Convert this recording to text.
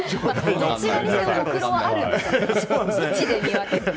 どちらにせよほくろはあるんですね。